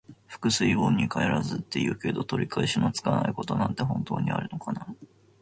「覆水盆に返らず」って言うけど、取り返しのつかないことなんて本当にあるのかな。